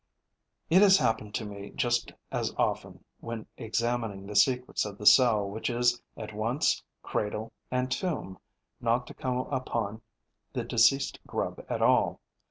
It has happened to me just as often, when examining the secrets of the cell which is at once cradle and tomb, not to come upon the deceased grub at all.